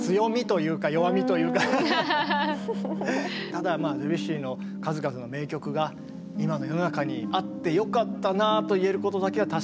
ただまあドビュッシーの数々の名曲が今の世の中にあってよかったなといえることだけは確かなんですよね。